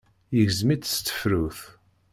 Yegzem-it s tefrut.